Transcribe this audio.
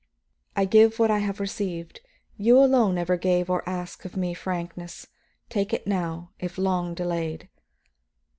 I give what I have received; you alone ever gave or asked of me frankness. Take it now, if long delayed."